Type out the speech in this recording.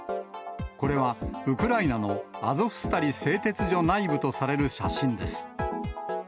これはウクライナのアゾフスタリ製鉄所内部とされる写真です。